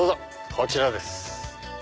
こちらです。